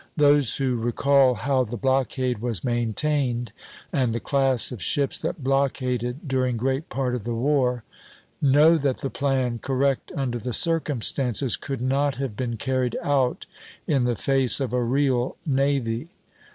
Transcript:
Those who recall how the blockade was maintained, and the class of ships that blockaded during great part of the war, know that the plan, correct under the circumstances, could not have been carried out in the face of a real navy.